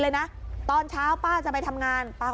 แล้วคุณป้าบอกรถคันเนี้ยเป็นรถคู่ใจเลยนะใช้มานานแล้วในการทำมาหากิน